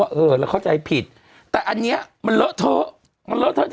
ว่าเออแล้วเข้าใจผิดแต่อันเนี้ยมันเหลอะเธอมันเหลอะเธอ